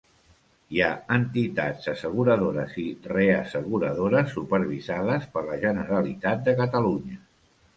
Hi ha entitats asseguradores i reasseguradores supervisades per la Generalitat de Catalunya.